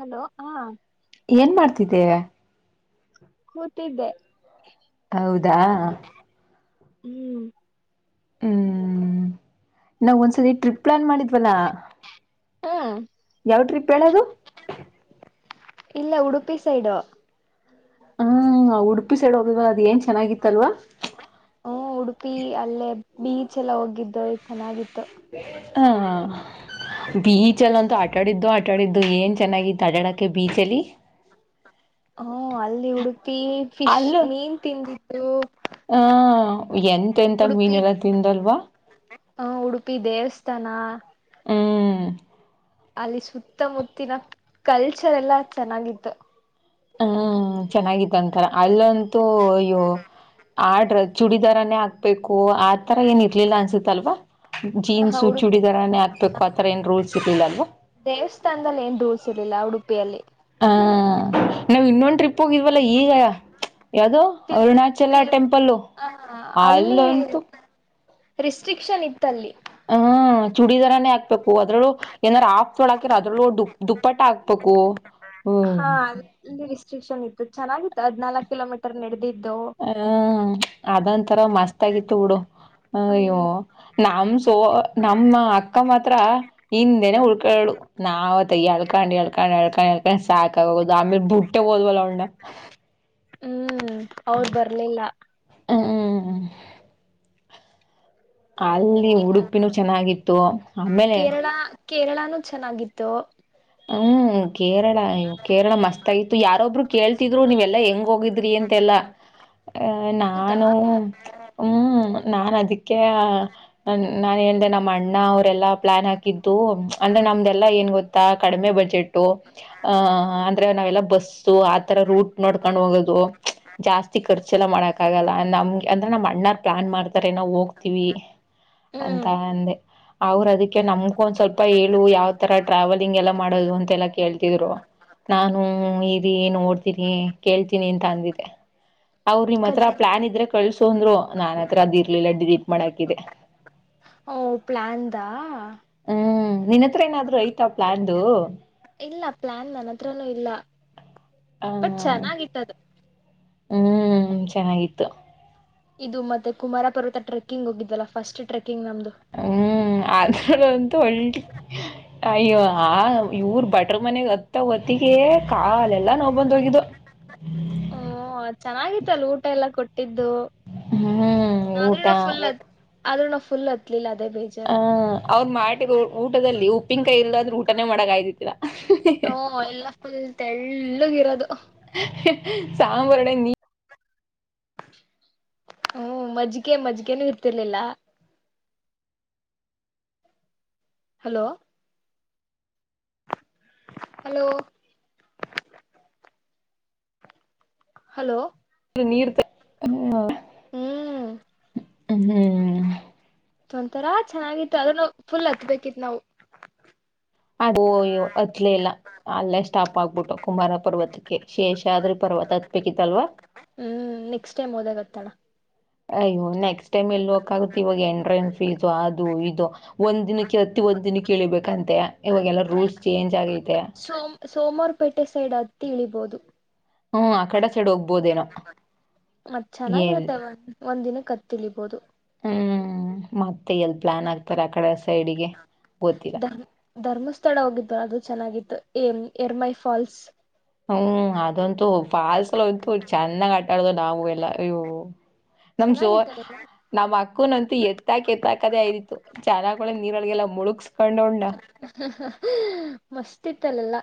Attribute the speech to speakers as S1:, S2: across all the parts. S1: Hello ಹಾ
S2: ಏನ್ ಮಾಡ್ತ್ತಿದಿಯ
S1: ಕೂತಿದ್ದೆ
S2: ಹೌದಾ
S1: ಹ್ಮ್
S2: ಹು ನನ್ ವನ್ ಸಲಿ ಟ್ರಿಪ್ ಫೋನ್ ಮಾಡಿದ್ಲಾಲ
S1: ಹಾ
S2: ಯಾವ್ ಟ್ರಿಪ್ ಅದು
S1: ಇಲ್ಲ ಉಡುಪಿ ಸೈಡು
S2: ಹಾ ಉಡುಪಿ ಸೈಡಲ್ವಾ ಅದೇನ್ ಚೆನ್ನಾಗಿತ್ತಲ್ವಾ
S1: ಬೀಚನ್ನ ಹೋಗಿದ್ದೆ ಚೆನ್ನಾಗಿತ್ತು
S2: [inaudible] ಹಾ ಬೀಚಳಂತೂ ಆಟ ಆಡಿದ್ದೆ ಆಡಿದ್ದು. ಏನ್ ಚನ್ನಾಗಿತ್ತು ಆಟದಕ್ಕೆ ಬೀಚಲ್ಲಿ
S1: ಹಾ ಅಲ್ಲಿ ಉಡುಪಿ ಫಿಶ್
S2: ಅಲ್ಲ
S1: ಮೀನ್ ತಿಂದದ್ದು ಉಡುಪಿ ಹ ಉಡುಪಿ
S2: [unintelligible]
S1: [unintelligible]
S2: ಹ್ಮ್ಮ್
S1: ಅಲಿ ಸುತ್ತ ಮೂತಿನು ಕಲ್ಚರಲ್ ಯಲ್ಲಿ ಚೆನ್ನಾಗಿ ಇತು.
S2: ಹ ಚೆನ್ನಾಗಿತ್ತಂತ ಒಂತರಾ ಅಲ್ಲಂತೂ ಇವ ಆ ಡ್ರೆಸ್ ಚೂಡಿದಾರನೆ ಹಾಕ್ಬೇಕು ಆತರ ಏನ ಇರಲಿಲ್ಲ ಅನ್ಸಿತ್ತ ಅಲ್ವ.
S1: ಹ
S2: ಜೀನ್ಸು
S1: ಉಡುಪಿ
S2: ಚೂಡಿದಾರ ನೇ ಹಾಕ್ಬೇಕು ಆತರ ಏನ್ ರೂಲ್ಸ್ ಇರ್ಲಿಲ್ಲ ಅಲ್ವಾ.
S1: ದೇವಸ್ಥಾನದಲ್ಲಿ ಏನ್ ರೂಲ್ಸ್ [unintelligible]
S2: ಹ ನಾವು ಇನ್ನೊಂದು ಟ್ರಿಪ್ ಹೋಗಿದ್ವಲ್ಲ ಈಗಾ ಯಾವುದು ಅರುಣಾಚಲ ಟೆಂಪಲ್
S1: ಹ
S2: ಅಲ್ಲಂತೂ
S1: ರಿಸ್ಟ್ರಿಕ್ಶನ್ ಇತ್ತ ಅಲ್ಲೀ.
S2: ಹ್ಮ್ಮ್ ಚೂಡಿದಾರನೇ ಹಾಕಬೇಕು ಅದುರಳಗು ಏನ ಅರ ಹಫಾ ತೋಳ ಹಾಕಿದ್ರ ಅದರೊಳಗೂ ದು ದುಪ್ಪಟ್ಟ ಹಾಕಬೇಕು.
S1: ಹಾ [inaudible] [unintelligible] ಚೆನ್ನಾಗಿತ್ತು ಹದಿನಾಲ್ಕು ಕಿಲೊಮಿಟರ್ ನಡೆದಿ
S2: ಹಾ ಅದ ಒಂಥರ ಮಸ್ತಾಗಿತ್ತು ಬಿಡು ಅಯ್ಯೋ
S1: ಹ್ಮ್
S2: ನಮ್ಮ [unintelligible] ಅಕ್ಕಾ ಮಾತ್ರ ಹಿಂದೇನೆ ಉಳಕೋ [unintelligible] ನಾವ ಅದಾತಾಗೆ ಎಳ್ಕೊಂಡ - ಎಳಕೊಂಡ-ಎಳಕೊಂಡ- ಎಳಕೊಂಡ ಸಾಕ ಆಗಿ ಹೋಗೋದು ಆಮೇಲೆ ಬಿಟ್ಟೆ ಹೋದೆವಲ್ಲ ಅವಳನ್ನ.
S1: ಹ್ಮ್ಮ್ ಅವರ ಬರ್ಲಿಲ್ಲ.
S2: [unintelligible] ಅಲ್ಲಿ ಉಡುಪಿನು ಚೆನ್ನಾಗಿ ಇತು ಆಮೇಲೆ
S1: ಕೇರಳನು ಚೆನ್ನಾಗಿತ್ತು
S2: ಹ್ಮ್ಮ್ ಕೇರಳ ಅಯ್ಯೊ ಕೇರಳ ಮಸ್ತ ಅಗಿ ಇತ್ತು ಯಾರೋ ಒಬ್ರು ಕೇಳ್ತಿದ್ದು ನೀವೆಲ್ಲ ಹೇಗೆ ಹೋಗಿದ್ರಿ ಅಂತ ಯಲಾ ಹ
S1: ಹೌದಾ
S2: ನಾನು ಹ್ಮ್ಮ್ ನಾನ ಅದೇಕ- [unintelligible] ನಾನ್ ಅಂದೆ ನಮ್ಮಣ್ಣ ಅವರ ಎಲ್ಲಾ ಪ್ಲಾನ್ ಹಾಕಿದ್ದು ಅಂದ್ರೆ ನಮ್ದೆಲ್ಲ ಏನು ಗೊತ್ತ ಕಡಿಮೆ ಬಜೆಟ್ಟು ಆ ಅಂತ ನಾವೆಲ್ಲ ಬಸ್ಸು ಆತರ ರೂಟ್ ನೋಡಿಕೊಂಡು ಹೋಗೋದು ಜಾಸ್ತಿ ಕರ್ಚಲ್ಲ ಮಾಡಕ್ಕಾಗಲ್ಲ ನಮಗೆ ಅಂದ್ರೆ ನಮ್ಮಣ್ಣೋರಿಗ ಪ್ಲಾನ್ ಮಾಡ್ತಾರೆ, ನಾವು ಹೋಗ್ತಿವಿ ಅಂತ
S1: ಹ್ಮ್
S2: ಅಂದೆ ಅವರು ಅದಕ್ಕೆ ನಮಗೊಂದು ಸ್ವಲ್ಪ ಹೇಳು ಯಾವ ತರ ಟ್ರಾವೆಲ್ [unintelligible] ಹೆಂಗ್ ಮಾಡೋದು ಅಂತ ಎಲ್ಲಾ ಕೇಳ್ತಿದ್ರು ನಾನು ಹು ಹೂ ಇದೇನು ಓಡ್ತಿದೆ ಕೇಳ್ತೀನಿ ಅಂತ ಅಂದಿದ್ದೆ. ಅವರು ನಿಮ್ಮತ್ರ
S1: ಕಜಿನ್
S2: ಪ್ಲಾನ್ ಇದ್ರೆ ಕಳಿಸು ಅಂದ್ರು. ನನ್ನತ್ರ ಆದ್ ಇರ್ಲಿಲ್ಲ ಡಿಲೀಟ್ ಮಾಡಿ ಹಾಕಿದ್ದೆ.
S1: ಓಹ್ ಪ್ಲಾನ್ ದ
S2: ಹ್ಮ್ಮ್ [unintelligible] ಮತ್ತೇನಾದ್ರೂ ಐತಾ ಪ್ಲಾನ್ [unintelligible]
S1: ಇಲ್ಲ ಪ್ಲಾನ್ ನನ್ನ ಹತ್ರಾ ನು ಇಲ್ಲ. ಬಟ್ ಚೆನ್ನಾಗಿತ್ತ ಅದೂ
S2: ಹೂಂ ಚೆನ್ನಾಗಿತ್ತು
S1: ಇದು ಮತ್ತು ಕುಮಾರ ಪರ್ವತ ಟ್ರಕಿಂಗ್ ಹೋಗಿದ್ವಲ್ಲ ಫಸ್ಟ್ ಟ್ರಕ್ ಈ ನಮ್ದು
S2: ಅದಂತು ಅಲ್ಟಿ ಅಯ್ಯೋ ಇವರು ಭಟ್ರು ಮನೆಗೆ ಅತ್ತು ಹೊತ್ತಿಗೆ ಕಾಲ್ ಎಲ್ಲ ನೋವು ಬಂದೋಗಿದ್ವು
S1: ಹೂ ಚೆನ್ನಾಗಿತ್ತು ಅಲ್ಲಿ ಊಟ ಎಲ್ಲ ಕೊಟ್ಟಿ ಇದು
S2: ಹೂ ಊಟ
S1: ಆದ್ರೆ ನಾವ್ ಫುಲ್ ಹತ್ತಲಿಲ್ಲ ಅದು
S2: ಆ ಅವ್ರ್ ಮಾಡಿರೋ ಊಟದಲ್ಲಿ ಉಪ್ಪಿನಕಾಯಿ ಇಲ್ಲಾಂದ್ರೆ ಊಟನೇ ಮಾಡಕ್ಕಾಗಿಲ್ಲ ಇಲ್ಲ
S1: ಹೂ ಎಲ್ಲ ಫುಲ್ ತೆಳ್ಳಗಿರೋದು
S2: ಸ್ಯಾಮ್ ವರಡೆಗೆ ನೀ
S1: ಹೂ ಮಜ್ಜಿಗೆ ಮಜ್ಜಿಗೆನು ಇರ್ತಿರ್ಲಿಲ್ಲ ಹಲೋ ಹಲೋ ಹಲೋ
S2: ನೀರು ನೀರ್ ಬೇ ಹೂ ಹೂಹೂ..
S1: ಹ್ಮ್ ಅದೊಂಥರಾ ಚೆನ್ನಾಗಿತ್ತು ಆದ್ರೂ ನಾವ್ ಫುಲ್ ಹತ್ತಬೇಕಿತ್ತು ನಾವು
S2: ಓ ಅಯ್ಯೋ ಹತ್ತಲೇ ಇಲ್ಲ ಅಲ್ಲೇ ಸ್ಟಾಪ್ ಆಗ್ಬಿಟ್ವಿ ಕುಮಾರ ಪರ್ವತಕ್ಕೆ ಶೇಷಾದ್ರಿ ಪರ್ವತ ಹತ್ತಬೇಕಿತ್ತಲ್ವಾ
S1: ಹೂ ನೆಕ್ಸ್ಟ್ ಟೈಮ್ ಹೋದಾಗ ಅತ್ತಣ
S2: ಅಯ್ಯೋ ನೆಕ್ಸ್ಟ್ ಟೈಮ್ ಎಲ್ಲಿ ಹೋಗಕ್ಕೆ ಆಗುತ್ತೆ ಇವಾಗ ಎಂಟ್ರೆನ್ಸ್ ಫೀಸ್ ಅದು ಇದು ಒಂದಿನಕ್ಕೆ ಇವತ್ತಿಗೆ ಒಂದಿನಕ್ಕೆ ಇಳಿಬೇಕಂತೆಯ
S1: ಸೋಮ್ ಸೋಮ್ವಾರಪೇಟೆ ಸೈಡ್ ತಿಳಿಬಹುದು
S2: ಹೂ ಆ ಕಡೆ ಸೈಡ್ ಹೋಗಬಹುದೇನೋ ಏಲ್
S1: ಹತ್ತಿಳಿಬಹುದು
S2: ಹೂ ಮ ಏನ್ ಪ್ಲಾನ್ ಹಾಕ್ತಾರೆ ಆ ಕಡೆ ಸೈ ಅಡಿಗೆ
S1: ದ ಧರ್ಮಸ್ಥಳ ಹೋಗಿ ಅದು ಚೆನ್ನಾಗಿತ್ತು ಎಂ ಏರ್ಮೈ ಫಾಲ್ಸ್
S2: ಹ್ಮ್ ಅದಂತೂ ಫಾಲ್ಸ್ ಅಲ್ಲಂತೂ ಚೆನ್ನಾಗ್ ಆಟ ಆಡಿದ್ವಿ ನಾವೆಲ್ಲ ರೀವೂ ನಮ್ ಜೋರ
S1: ಚೆನ್ನಾಗಿತ್ತಲ್ಲ
S2: ನಮ್ಮಕ್ಕ ನಂತು ಎತ್ತ ಹಾಕಿ ಎತ್ತಾಹಾಕದೇ ಆಗಿತ್ತು ಜನಗುಳೇನು ನೀರೊಳಗೆಲ್ಲ ಮುಳುಗಿಸಿ
S1: ಹ ಹ ಹ ಮಸ್ತ್ ಇತ್ತು ತೆಲೆಲ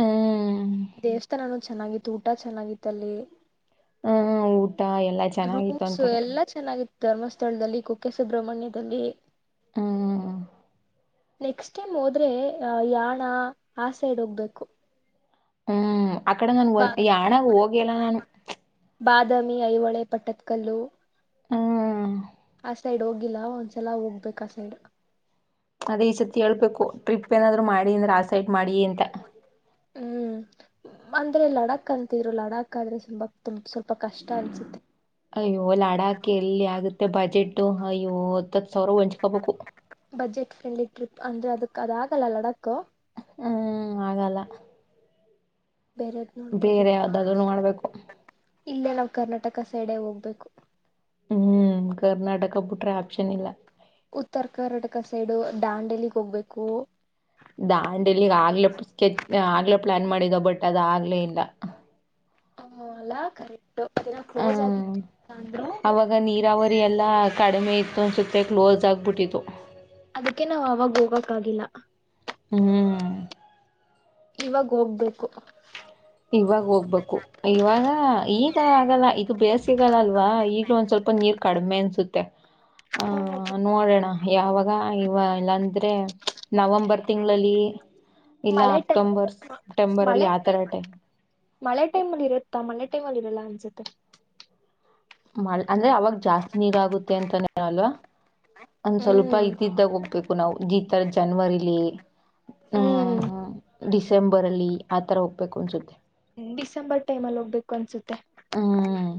S2: ಹ್ಮ್
S1: ದೇವಸ್ಥಾನನೂ ಚೆನ್ನಾಗಿತ್ತು ಊಟ ಚೆನ್ನಾಗಿತ್ತು ಅಲ್ಲಿ
S2: ಹ್ಮ್ ಊಟ ಎಲ್ಲಾ ಚೆನ್ನಾಗಿತ್ತು
S1: ರೂಮ್ಸ್
S2: ಅಂತಾರ
S1: ಎಲ್ಲಾ ಚೆನ್ನಾಗಿತ್ತು ಧರ್ಮಸ್ಥಳ ಧರ್ಮಸ್ಥಳದಲ್ಲಿ ಕುಕ್ಕೆ ಸುಬ್ರಹ್ಮಣ್ಯದಲ್ಲಿ
S2: ಹೂ
S1: ನೆಕ್ಸ್ಟ್ ಟೈಮ್ ಹೋದರೆ ಯಾಣ ಆ ಸೈಡ್ ಹೋಗ್ಬೇಕು
S2: ಹ್ಮ್ ಆ ಕಡೆ ಒಂದು
S1: ಬಾ
S2: ಯಾಣ ಹೋಗೆ ಇಲ್ಲ ನಾನು
S1: ಬಾದಾಮಿ ಐಹೊಳೆ ಪಟ್ಟದಕಲ್ಲು
S2: ಹ್ಮ್
S1: ಆ ಸೈಡ್ ಹೋಗಿಲ್ಲ ಒಂದು ಸಲ ಹೋಗಬೇಕು ಆ ಸೈಡ್
S2: ಅದೇ ಈ ಸತಿ ಹೇಳಬೇಕು ಟ್ರಿಪ್ ಏನಾದ್ರು ಮಾಡಿದ್ರೆ ಆ ಸೈಡ್ ಮಾಡಿ ಅಂಥ
S1: ಹೂ ಅಂದ್ರೆ ಲಡಕ್ ಅಂತಿದ್ರು ಲಡಕ್ಅಂದ್ರೆ ಸ್ವಲ್ಪ ಕಷ್ಟ ಅನ್ಸುತ್ತೆ
S2: ಅಯ್ಯೋ ಲಡಕು ಎಲ್ಲಿ ಆಗುತ್ತೆ ಬಜೆಟ್ಟು ಅಯ್ಯೋ ಹತ್ತತ್ತು ಅವರು ಹಚ್ಕೋಬೇಕು
S1: ಬಜೆಟ್ ಫ್ರೆಂಡ್ಲಿ ಟ್ರಿಪ್ ಅಂದ್ರೆ ಅದಕ್ಕೆಅದು ಆಗಲ್ಲ ಲಡಾಕ್
S2: ಹೂಂ ಹೂಂ ಆಗಲ್ಲ
S1: ಬೇರೆದ್
S2: ಬೇರೆ
S1: ನೋಡ್ಕೋಬೇಕು
S2: ಯಾವ್ದಾದ್ರು ಮಾಡ್ಬೇಕು
S1: ಇಲ್ಲೇ ನಮ್ ಕರ್ನಾಟಕ ಆ ಸೈಡ್ ಹೋಗ್ಬೇಕು
S2: ಹ್ಮ್ಮ್ ಕರ್ನಾಟಕ ಬಿಟ್ಟರೆ ಆಪ್ಷನ್ ಇಲ್ಲ
S1: ಉತ್ತರ ಕರ್ನಾಟಕ ಸೈಡು ದಾಂಡೇಲಿ ಹೋಗ್ಬೇಕು
S2: ದಾಂಡೇಲಿಗೆ ಆಗಲೇ ಪ್ಲಾನ್ ಮಾಡಿದ್ವಿ, ಅದು ಆಗ್ಲೇ ಇಲ್ಲ
S1: ಹೌದಲ್ಲ ಓಕೆ ಕರೆಕ್ಟ್ ಕ್ಲೋಸ್
S2: ಹ್ಮ್
S1: ಆಗಿತ್ತು
S2: ಅವಾಗ ನೀರಾವರಿ ಎಲ್ಲಾ ಕಡಿಮೆ ಇತ್ತು ಅನ್ಸುತ್ತೆ ಕ್ಲೋಸ್ ಆಗಿತ್ತು
S1: ಅದಕ್ಕೆ ನಮಗೆ ಅವಾಗ ಹೋಗಕ್ಕೆಆಗಿಲ್ಲ
S2: ಹಮ್ಮು
S1: ಇವಾಗ ಹೋಗ್ಬೇಕು
S2: ಇವಾಗ ಹೋಗ್ಬೇಕು ಇವಾಗ ಈಗಾಗಲ್ಲ ಇದು ಬೇಸಿಗೆಗಾಲ ಅಲ್ವಾ ಇವಾಗ ಒಂದ್ ಸ್ವಲ್ಪ ನೀರು ಸ್ವಲ್ಪ ಕಡಿಮೆ ಇತ್ತು ಅನ್ಸುತ್ತೆ ನೋಡೋಣ ಯಾವಾಗ ಇಲ್ಲ ಅಂದ್ರೆ ನವಂಬರ್ ತಿಂಗಳಲ್ಲಿ ಇಲ್ಲ
S1: ಮಳೆ ಟೈಮ್
S2: ಅಕ್ಟೋಬರ್ ಸೆಪ್ಟೆಂಬರ್ ಅಲ್ಲಿ
S1: ಮಳೆ
S2: ಆತರ
S1: ಟೈಮ್
S2: ಟೈಮಲ್ಲಿ
S1: ಮಳೆ ಟೈಮಲ್ ಇರುತ್ತಾ ಮಳೆ ಟೈಮಲ್ಲಿ ಇರಲ್ಲ ಅನ್ಸುತ್ತೆ
S2: ಮಲ್ ಅಂದ್ರೆ ಅವಾಗ ಜಾಸ್ತಿ ನೀರು ಆಗುತ್ತೆ ಅಂತಾನೆ ಅಲ್ವಾ ಒಂದು ಸ್ವಲ್ಪ
S1: ಹ್ಮ್
S2: ಇದ್ ಇದ್ದಾಗ ಹೋಗ್ಬೇಕು ನಾವು ಒಂಥರಾ ಜನವರಿಯಲ್ಲಿ ಹೂ
S1: ಹ್ಮ್
S2: ಡಿಸೆಂಬರಲ್ಲಿ ಆತರ ಹೋಗಬೇಕು ಅನ್ಸುತ್ತೆ
S1: ಡಿಸೆಂಬರ್ ಟೈಮಲ್ಲಿ ಹೋಗ್ಬೇಕ್ ಅನ್ಸುತ್ತೆ
S2: ಹ್ಮ್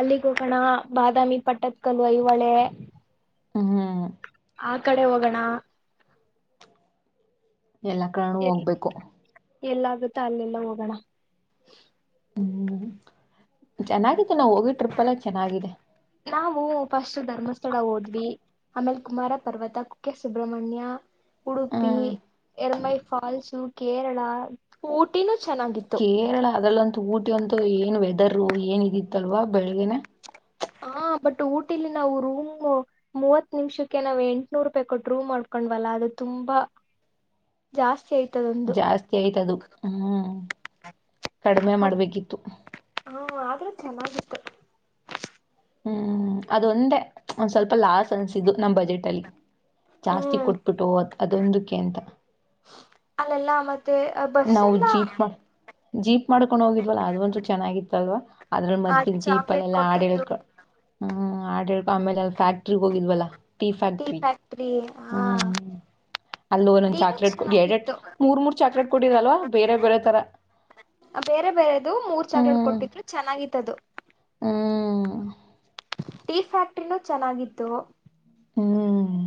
S1: ಅಲ್ಲಿ ಹೋಗೋಣ ಬಾದಾಮಿ ಪಟ್ಟದಕಲ್ಲು ಐಹೊಳೆ
S2: ಹ್ಮ್ ಹ್ಮ್
S1: ಆಕಡೆ ಹೋಗೋಣ
S2: ಎಲ್ಲ ಕಡೆನೂ
S1: ಎಲ್
S2: ಹೋಗ್ಬೇಕು
S1: ಎಲ್ಲಾಗುತ್ತೋ ಅಲ್ಲೆಲ್ಲ ಹೋಗೋಣ
S2: ಹ್ಮ್ ಚೆನ್ನಾಗಿ ಹೋಗಿ ಟ್ರಿಪ್ ಅಲ್ಲ ಚೆನ್ನಾಗಿದೆ
S1: ಹೋಗಿದಿವಿ ಆಮೇಲೆ ಕುಮಾರ ಪರ್ವತ ಕುಕ್ಕೆ ಸುಬ್ರಮಣ್ಯ ಉಡುಪಿ
S2: ಹ್ಮ್
S1: ರ್ಯಮೈ ಫಾಲ್ಸ್ ಕೇರಳ ಊಟಿ ನ
S2: ಕೇರಳಕ್ಕಿಂತ ಊಟಿಯಲ್ಲಿ ಏನ್ ವೆದರ್ ಏನ್ ವೇದರ್ ಇತ್ತಲ್ಲ ಬೆಳಗ್ಗೆನೇ
S1: ಹಾ ಬಟ್ ಊಟಿಯಲ್ಲಿ ಮುವತ್ತು ನಿಮಿಷಕ್ಕೆ ರೂಮ್ ಮಾಡ್ಕೊಂಡಿದ್ವಲ್ಲ ತುಂಬಾ ಜಾಸ್ತಿ ಆಯ್ತು
S2: ಜಾಸ್ತಿ ಆಯ್ತಾ ಅದು
S1: ಹಾ ಆದರೆ ಚೆನ್ನಾಗಿತ್ತು
S2: ಅದೊಂದೇ ಸ್ವಲ್ಪ ನಮ್ ಬಜೆಟ್ ಅಲ್ಲಿ ಲಾಸ್ ಅನ್ಸಿದ್ದು ಜಾಸ್ತಿ
S1: ಹ್ಮ್
S2: ಕೊಟ್ಟುಬಿಟವಿ ಅಂತ ನಾವು
S1: ಬಸ್ಸಲ್ಲ
S2: ಜೀಪ್ ಮಾಡ ಜೀಪ್ ಮಾಡ್ಕೊಂಡು ಹೋಗಿದ್ವಲ್ಲ ಅದಂತು ಚೆನ್ನಾಗಿತ್ತು ಅಲ್ವಾ ಅದರ ಮಧ್ಯೆ
S1: ಅಲ್ಲಿ
S2: ಚಿಪ್
S1: ಚಾಕ್ಲೇಟ್
S2: ಅಲ್ಲೆಲ್ಲಾ
S1: ಕೊಟ್ಟಿದ್ದು
S2: ಆಡಿರೂದು ಆಡಳಿತ ಫ್ಯಾಕ್ಟರಿ ಹೋಗಿದ್ಯಲ್ಲ ಟೀ ಫ್ಯಾಕ್ಟರಿ
S1: ಫ್ಯಾಕ್ಟ್ರಿ ಹಾ
S2: ಅಲ್ಲಿ
S1: ಟೀನು
S2: ಚಾಕ್ಲೇಟ್ ಎರಡೆರಡು
S1: ಚೆನ್ನಾಗಿತ್ತು
S2: ಮೂರ್ಮೂರು ಚಾಕ್ಲೇಟ್ ಕೊಟ್ಟಿದ್ರಲ್ವಾ ಬೇರೆ ಬೇರೆ ತರ
S1: ಬೇರೆ ಬೆರೆದು ಮೂರ್
S2: ಹ್ಮ್
S1: ಚಾಕಲೇಟು ಚೆನ್ನಾಗಿತ್ತು ಈತದು
S2: ಹ್ಮ್
S1: ಟೀ ಫ್ಯಾಕ್ಟರುನು ಚೆನ್ನಾಗಿತ್ತು
S2: ಹ್ಮ್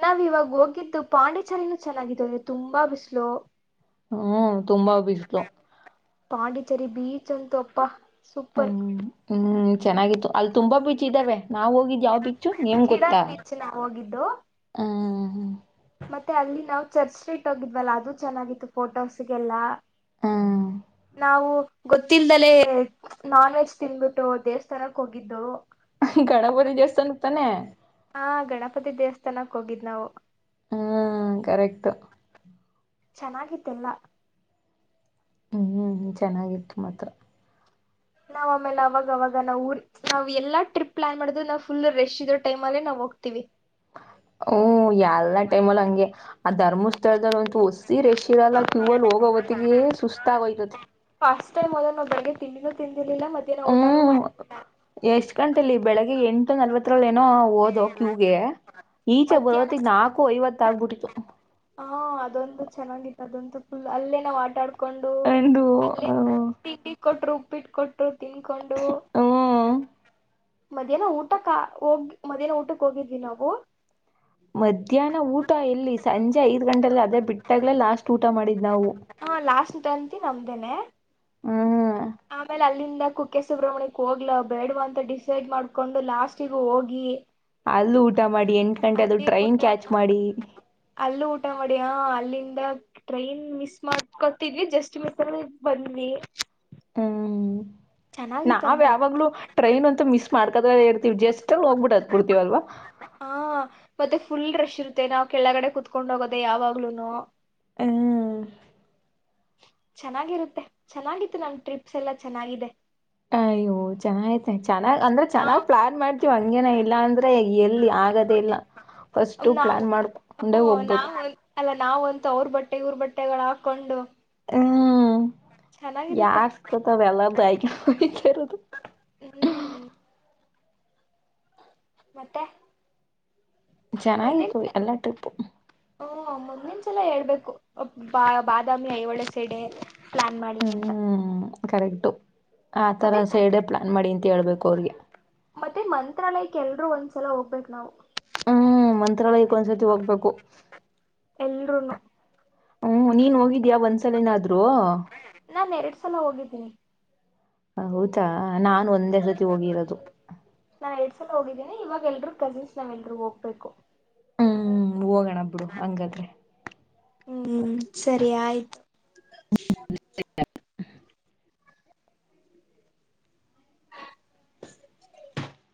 S1: ನಾ ಇವಾಗ ಹೋಗಿದ್ದುನ್ನು ಪಾಂಡಿಚರಿನೆ ಚೆನ್ನಾಗಿತ್ತು ತುಂಬಾ ಬಿಸಿಲು
S2: ಹ್ಮ್ ತುಂಬಾ ಬಿಸಿಲು
S1: ಪಾಂಡಿಚೆರಿ ಬಿ ಚಂತು ಅಪ್ಪ
S2: ಅನ್ನ ಏನೇ ಏನ್ ಚೆನ್ನಾಗಿತ್ತು ಅಲ್ಲಿ ತುಂಬಾ ಬೀಚ್ ಇದಾವೆ ನಾವು ಹೋಗಿದ್ಯಾ ಬಿಚ್ಚು ನಿನ್ ಗೊತ್ತಾ
S1: ಇಡನ್ ಬೀಚ್ ನಾವ್ ಹೋಗಿದ್ದು
S2: ಹ್ಮ್ ಹೂ
S1: ಮತ್ತೆ ಅಲ್ಲಿ ನಾವು ಚರ್ಚಿ ಸ್ಟ್ರೀಟ್ ಹೋಗಿದವಲ್ಲ ಅದು ಚೆನ್ನಾಗಿತ್ತು ಫೋಟೋಸ್ಗೆಲ್ಲ
S2: ಹ್ಮ್
S1: ನಾವು ಗೊತ್ತಿಲ್ದಲೇ ನಾನ್ ವೆಜ್ ತಿಂದ್ಬಿಟ್ಟು ದೇವಸ್ಥಾನಕ್ಕೆ ಹೋಗಿದ್ದು
S2: [unintelligible] ಗಣಪತಿ ದೇವಸ್ಥಾನಕ್ಕೆ ತಾನೇ
S1: ಆ ಗಣಪತಿ ದೇವಸ್ಥಾನಕ್ ಹೋಗಿದ್ ನಾವು
S2: ಹೂ ಕರೆಕ್ಟು
S1: ಚೆನ್ನಾಗಿತ್ತು ಎಲ್ಲ
S2: ಹೂ ಚೆನ್ನಾಗಿತ್ತು ಮತ್ತೆ
S1: ನಾವು ಆಮೇಲೆ ಅವಾಗವಾಗ ನಾವು ಊರಿಗೆ ನಾವೆಲ್ಲಾದ್ರೂ ಟ್ರಿಪ್ ಪ್ಲಾನ್ಮಾಡ್ದಾಗ ಫುಲೂ ರಶ್ ಇರೋ ಟೈಲೆ ನಾವು ಹೋಗ್ತಿವಿ
S2: ಹಾ ಎಲ್ಲ ಟೈಮಲ್ಲೂ ಅಂಗೆ ಆ ಧರ್ಮಸ್ಥಳದಲ್ಲಂತೂ ವಸಿ ಹೊಸಿ ರಶ್ ಇರಲ್ಲ ಕ್ಯೂ ಅಲ್ಲಿ ಹೋಗೋ ಹೊತ್ತಿಗೆ ಸುಸ್ತಾಗೋಯ್ತದೆ
S1: ಇನ್ನೇನ್ ಮಾಡೋದು ಮತ್ತೆ ಬೆಳಗ್ಗೆ ತಿಂಡಿನೂ ತಿಂದಿಲ್ಲ
S2: ಹೂ ಎಷ್ಟು ಗಂಟೆಲೀ ಬೆಳ ಎಂಟು ನಲ್ವತ್ತು ರಲ್ಲಿ ಏನೋ ಓದೋ ಕ್ಯೂಗೆ
S1: ಮಧ್ಯಾಹ್ನ
S2: ಬರೋಷ್ಟರಲ್ಲಿ ನಾಲ್ಕು ಐವತ್ತು ಆಗಿತ್ತು
S1: ಹೂ ಅದಂತು ಚೆನ್ನಾಗಿತ್ತು ಅದಂತು ಫುಲ್ ಅಲ್ಲೆ ನಾವ್ ಆಟ ಆಡ್ಕೊಂಡು
S2: ಎಂದು
S1: ಕೊಂಡು ಅಲ್ಲೇ ಟೀ ಕೊಟ್ರು ಇಟ್ ಕೊಟ್ರು ತಿನ್ಕೊಂಡು
S2: ಹ್ಮ್
S1: ಮಧ್ಯಾಹ್ನ ಊಟಕ್ಕ ಹೋಗ್ ಮಧ್ಯಾನ ಊಟಕ್ಕ ಹೋಗಿದ್ವಿ ನಾವು
S2: ಮಧ್ಯಾಹ್ನ ಊಟ ಎಲ್ಲಿ ಸಂಜೆ ಐದು ಗಂಟೆಗೆ ಬಿಟ್ಟಾಗಲೇ ಲಾಸ್ಟ ಊಟ ಮಾಡಿದ್ದು
S1: ಹೂ ಲಾಸ್ಟ್ ತಂತಿ ನಮ್ದೇನೇ
S2: ಹೂ
S1: ಅಲ್ಲಿಂದ ಕುಕ್ಕೆ ಸುಬ್ರಹ್ಮಣ್ಯಕ್ಕೆ ಹೋಗ್ಲಾ ಬೇಡ್ವಾ ಅಂತ ಡಿಸೈಡ್ ಮಾಡಿಕೊಂಡು ಲಾಸ್ಟ್ ಹೋಗಿ
S2: ಅಲ್ಲು ಊಟ ಮಾಡಿ ಎಂಟು ಗಂಟೆ ಆದ್ರೂ
S1: ಅಲ್ಲಿ ಊಟ
S2: ಟ್ರೈನ್ ಕ್ಯಾಚ್
S1: ಮಾಡ್
S2: ಮಾಡಿ
S1: ಅಲ್ಲೂ ಊಟ ಮಾಡಿ ಹಾ ಅಲ್ಲಿಂದ ಟ್ರೈನ್ ಮಿಸ್ ಮಾಡ್ಕೊಂತಿದ್ವಿ ಜಸ್ಟ್ ಮಿಸ್ಸಲ್ಲಿ ಬಂದ್ವಿ
S2: ಹೂ ನಾವ್
S1: ಚೆನ್ನಾಗಿತ್ತಂತೆ.
S2: ಯಾವಾಗಲೂ ಟ್ರೈನು ಮಿಸ್ ಮಾಡ್ಕೊಡ್ತಾನೆ ಇರ್ತೀವಿ ನೀವ್ ಜಸ್ಟ್ ಅಲ್ಲಿ ಹೋಗ್ಬಿಟ್ ಹತ್ತಬಿಡ್ತೀವಿ ಅಲ್ವಾ
S1: ಹ ಮತ್ತೆ ಫುಲ್ ರಷ್ ಇರುತ್ತೆ ನಾವು ಕೆಳಗಡೆ ಕುತ್ಕೊಂಡು ಹೋಗೋದೇ ಯಾವಾಗಲೂ
S2: ಹೂ
S1: ಚೆನ್ನಾಗಿರುತ್ತೆ ಚೆನ್ನಾಗಿತ್ತು ನಮ್ ಟ್ರಿಪ್ಸಾ ಎಲ್ಲಾ ಚೆನ್ನಾಗಿದೆ
S2: ಅಯ್ಯೋ, ಚೆನ್ನಾಗೈತೆ ಅಂದ್ರೆ
S1: ನಾವ್
S2: ಚೆನ್ನಾಗಿ ಪ್ಲಾನ್ ಮಾಡ್ತೀವಿ ಹಂಗೇನೆ ಇಲ್ಲಾಂದ್ರೆ ಎಲ್ಲಿ ಆಗೋದೇ ಇಲ್ಲ ಫಸ್ಟ್
S1: ನಾವು
S2: ಪ್ಲಾನ್
S1: ಹ್ಮ
S2: ಮಾಡ್ಕೊಂಡೆ ಹೋಗ್ಬೇಕು
S1: ನಾವ್ ನಾವಂತೂ ಅವರ ಬಟ್ಟೆ ಇವ್ರ್ ಬಟ್ಟೆಗಳ ಹಾಕೊಂಡು
S2: ಹ್ಮ್
S1: ಚೆನ್ನಾಗಿರುತ್ತೆ
S2: ಯಾರ್ ಸಿಗುತ್ತೋ ಅವರ್ದೆಲ್ಲ ಆಯ್ಕ [unintelligible] ಎಲ್ಲದು
S1: ಹ್ಮ್ಮ್. ಮತ್ತೆ. ಮುಂದಿನ
S2: ಚೆನ್ನಾಗಿತ್ತು ಎಲ್ಲ ಟ್ರಿಪ್.
S1: ಹ್ಮ ಮುಂದಿನ ಹೇಳ್ಬೇಕು ಬಾದಾಮಿ ಐಹೊಳೆ ಸೆಡೆ.
S2: ಆ ಕಡೆ
S1: ಮತ್ತೆ
S2: ಸೈಡ್ ಪ್ಲಾನ್ ಮಾಡಿ ಅಂತ ಹೇಳಬೇಕು. ಕೊಡ್ಲಿ.
S1: ಮತ್ತೆ ಮಂತ್ರಾಲಯಕ್ಕೆ ಒಂದು ಸತಿ ಹೋಗಬೇಕಂತೆ.
S2: ಹ್ಮ್ಮ್. ಮಂತ್ರಾಲಯಕ್ಕೆ ಒಂದ್ಸತಿ ಹೋಗಬೇಕು.
S1: ಎಲ್ರುೂನು
S2: ಹ್ಮ್ಮ್. ನೀನು ಹೋಗಿದಿಯಾ ಒಂದ್ಸಲನಾದ್ರೂ.
S1: ನಾನ್ ಎರಡ್ ಸಲ ಹೋಗಿದ್ದೀನಿ
S2: ಹೌದು. ಹಾ ನಾನು ಒಂದೇ ಸತಿ ಹೋಗಿರೋದು.
S1: ನಾನ್ ಎರಡ್ ಇವಾಗ ಎಲ್ಲರೂ ಕಜಿಶನ್ ಮನೆಗೆ ಹೋಗ್ಬೇಕು.
S2: ಹೂ ಹೋಗೋಣ ಬಿಡು ಹಂಗಾದ್ರೆ.
S1: ಹೂ ಸರಿ ಆಯ್ತು. ಚಿಯ್.
S2: ಹ್ಮ್ಮ್.